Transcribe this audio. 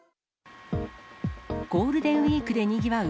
ゴールデンウィークでにぎわう